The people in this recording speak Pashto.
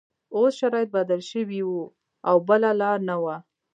اوس شرایط بدل شوي وو او بله لاره نه وه